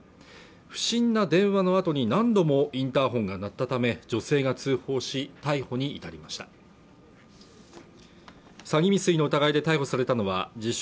不審な電話のあとに何度もインターホンが鳴ったため女性が通報し逮捕に至りました詐欺未遂の疑いで逮捕されたのは自称